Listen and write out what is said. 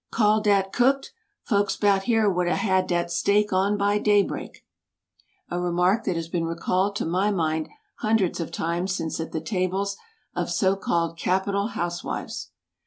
"Call dat cooked! Folks 'bout here would 'a had dat steak on by day break!" A remark that has been recalled to my mind hundreds of times since at the tables of so called capital housewives.